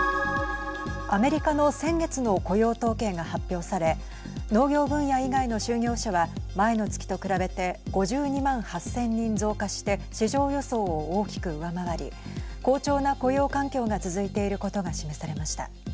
アメリカの先月の雇用統計が発表され農業分野以外の就業者は前の月と比べて５２万８０００人増加して市場予想を大きく上回り好調な雇用環境が続いていることが示されました。